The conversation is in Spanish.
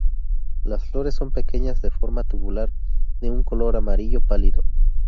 Las flores son pequeñas de forma tubular, de un color amarillo pálido.